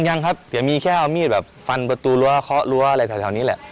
ยังครับเสียมีแค่เอามีดแบบฟันประตูรั้วเคาะรั้วอะไรแถวนี้แหละ